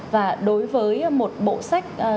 và đối với một bộ sách